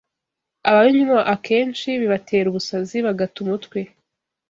Ababinywa akenshi bibatera ubusazi, bagata umutwe